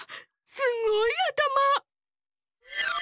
すごいあたま！